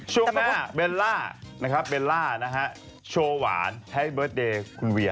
ช่วงหน้าเบลล่านะครับเบลล่านะฮะโชว์หวานให้เบิร์ตเดย์คุณเวีย